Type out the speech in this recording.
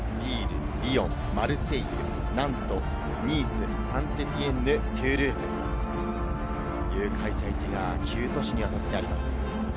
他にはボルドー、リール、リヨン、マルセイユ、ナント、ニース、サンテティエンヌ、トゥールーズという開催地が９都市にわたってあります。